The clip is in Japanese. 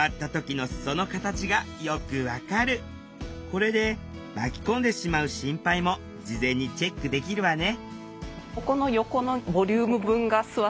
これで巻き込んでしまう心配も事前にチェックできるわね